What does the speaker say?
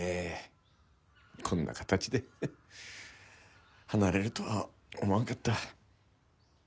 こんな形で離れるとは思わんかった。